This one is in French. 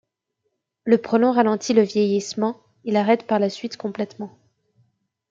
Le prolong ralentit le vieillissement et l'arrête par la suite complètement.